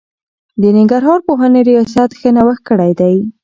د ننګرهار پوهنې رياست ښه نوښت کړی دی.